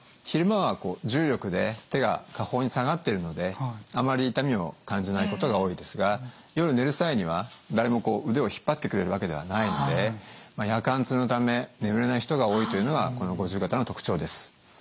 昼間は重力で手が下方に下がってるのであまり痛みを感じないことが多いですが夜寝る際には誰もこう腕を引っ張ってくれるわけではないので夜間痛のため眠れない人が多いというのがこの五十肩の特徴です。